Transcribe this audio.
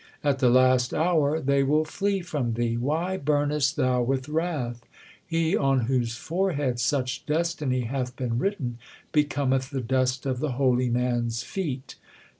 At the last hour they will flee from thee ; why burnest thou with wrath ? He on whose forehead such destiny hath been written, becometh the dust of the holy man s feet.